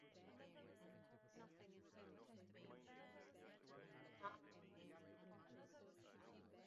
It is the fourth highest peak in the Bhagirathi Massif.